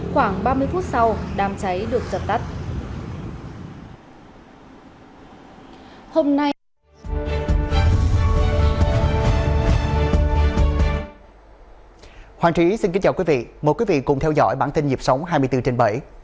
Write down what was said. khoảng ba mươi phút sau đám cháy được dập tắt